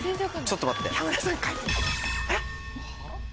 ちょっと待って！